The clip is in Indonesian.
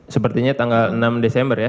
sepertinya tanggal enam desember ya